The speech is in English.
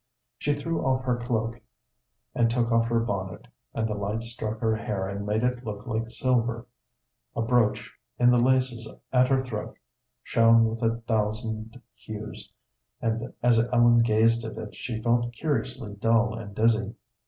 She threw off her cloak and took off her bonnet, and the light struck her hair and made it look like silver. A brooch in the laces at her throat shone with a thousand hues, and as Ellen gazed at it she felt curiously dull and dizzy.